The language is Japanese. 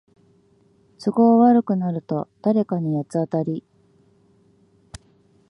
都合悪くなると誰かに八つ当たり